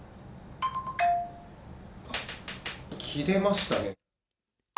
切れましたね。